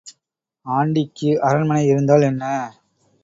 ஆண்டிக்கு அரண்மனை இருந்தால் என்ன?